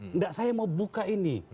enggak saya mau buka ini